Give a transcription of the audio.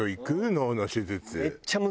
脳の手術。